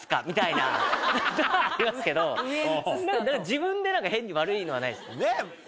自分で変に悪いのはないです。